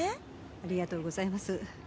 ありがとうございます。